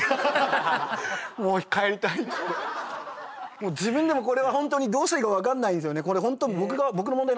もう自分でもこれは本当にどうしたらいいか分かんないんですよね。